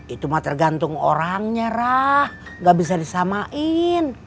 itu mah tergantung orangnya rah gak bisa disamain